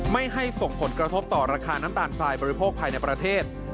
ไม่ให้ส่งผลกระทบต่อราคาน้ำตาลทรายบริโภคภายในประเทศ